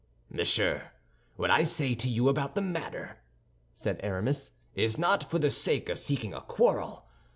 "Monsieur, what I say to you about the matter," said Aramis, "is not for the sake of seeking a quarrel.